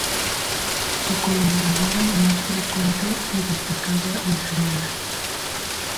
Su colaboradora más frecuente y destacada es Rihanna.